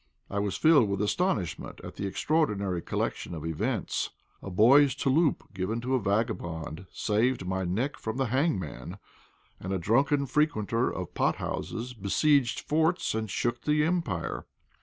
I was filled with astonishment at the extraordinary connection of events. A boy's "touloup," given to a vagabond, saved my neck from the hangman, and a drunken frequenter of pothouses besieged forts and shook the Empire.